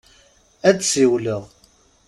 Ad d-siwleɣ.